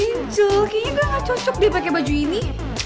injil kayaknya gue gak cocok deh pake baju ini